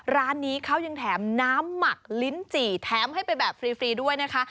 ร้านนี้เขายังแถมน้ำหมักลิ้นจี่แถมให้ไปแบบฟรีด้วยนะคะ